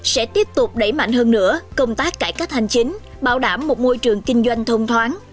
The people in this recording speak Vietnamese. sẽ tiếp tục đẩy mạnh hơn nữa công tác cải cách hành chính bảo đảm một môi trường kinh doanh thông thoáng